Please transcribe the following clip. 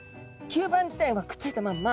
吸盤自体はくっついたまんま